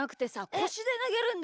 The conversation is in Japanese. こしでなげんの。